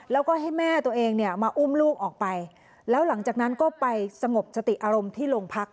แล้วก็ให้แม่ตัวเองเนี่ยมาอุ้มลูกออกไปแล้วหลังจากนั้นก็ไปสงบสติอารมณ์ที่โรงพัก